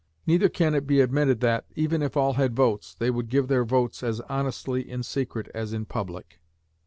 Neither can it be admitted that, even if all had votes, they would give their votes as honestly in secret as in public.